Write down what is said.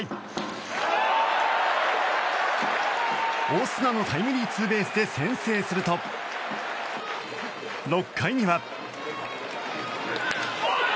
オスナのタイムリーツーベースで先制すると６回には。